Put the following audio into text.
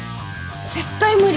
絶対無理！